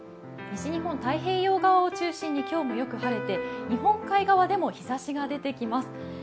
西日本、太平洋側を中心に今日もよく晴れて日本海側でも日ざしが出てきます。